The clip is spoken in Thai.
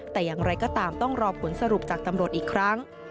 แต่อย่างไรก็ตามต้องรอผลสรุปจากตำรวจอีกครั้ง